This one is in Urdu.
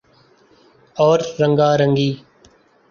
اور رنگا رنگی